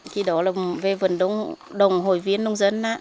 khi đó là về vườn đồng hội viên nông dân